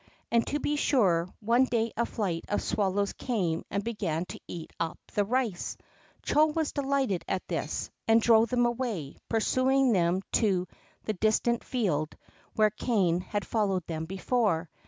And, to be sure, one day a flight of swallows came and began to eat up the rice. Chô was delighted at this, and drove them away, pursuing them to the distant field where Kané had followed them before.